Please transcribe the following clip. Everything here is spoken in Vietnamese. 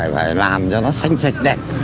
phải làm cho nó xanh xạch đẹp